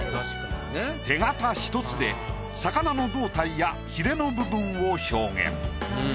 手形一つで魚の胴体やヒレの部分を表現。